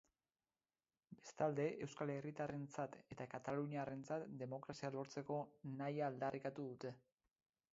Bestalde, euskal herritarrentzat eta kataluniarrentzat demokrazia lortzeko nahia aldarrikatu dute.